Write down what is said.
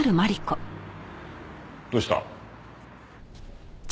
どうした？